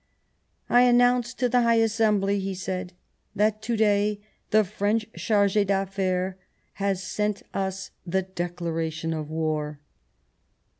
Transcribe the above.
I announce to the High Assembly," he said, " that to day the French Charge d' Affaires has sent us the declaration of war."